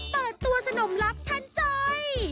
เปิดตัวสนมรับท่านจ้อย